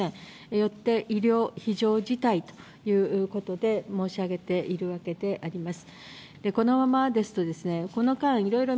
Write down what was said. よって、医療非常事態ということで申し上げているわけであります。